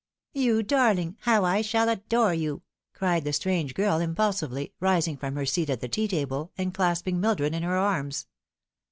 " You darling, how I shall adore you !" cried the strange girl impulsively, rising from her seat at the tea table, and clasping Mildred in her arms.